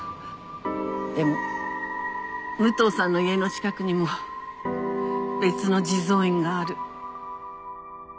でも武藤さんの家の近くにも別の地蔵院がある。